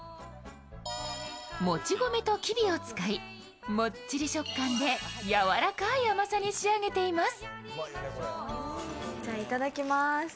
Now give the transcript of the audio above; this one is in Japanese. もち米ときびを使い、もっちり食感でやわらかい甘さに仕上げています。